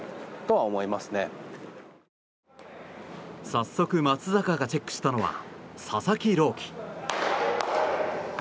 早速、松坂がチェックしたのは佐々木朗希。